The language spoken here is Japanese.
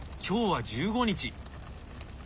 今日は１５日！